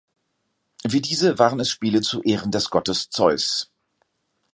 Wie diese waren es Spiele zu Ehren des Gottes Zeus.